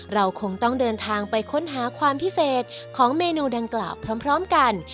เราคงต้องเดินทางไปค้นหาความพิเศษของเมนูดังกล่าวพร้อมกัน